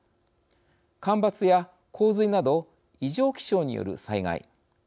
干ばつや洪水など異常気象による災害。